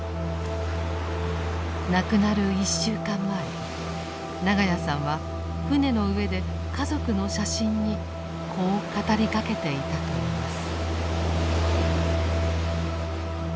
亡くなる１週間前長屋さんは船の上で家族の写真にこう語りかけていたといいます。